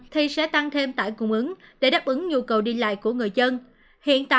thì sẽ tăng thêm tải cung ứng